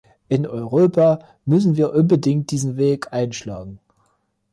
In Europa müssen wir unbedingt diesen Weg einschlagen.